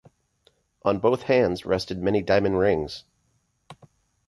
On both hands rested many diamond rings.